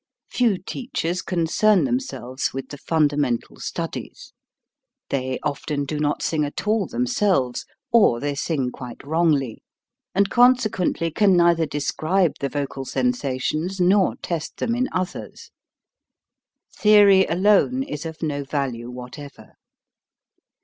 Few teachers concern themselves with the funda mental studies; they often do not sing at all themselves, or they sing quite wrongly; and consequently can neither describe the vocal sensations nor test them in others. Theory alone is of no value whatever.